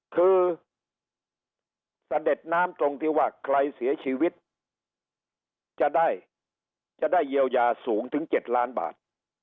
คือเสด็จน้ำตรงที่ว่าใครเสียชีวิตจะได้จะได้เยียวยาสูงถึง๗ล้านบาท